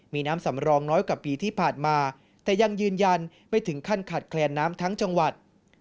มีน้ำสำรองน้อยกว่าปีที่ผ่านมาแต่ยังยืนยันไม่ถึงขั้นขาดแคลนน้ำทั้งจังหวัด